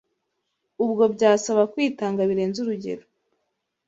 ubwo byasaba kwitanga birenze urugero.